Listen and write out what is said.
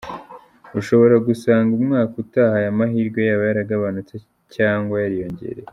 Ushobora gusanga umwaka utaha aya mahirwe yaba yaragabanutse cyangwa yariyongereye.